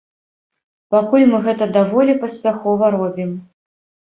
Пакуль мы гэта даволі паспяхова робім.